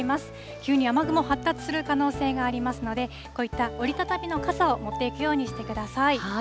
急に雨雲、発達する可能性がありますので、こういった折り畳みの傘を持っていくようにしてください。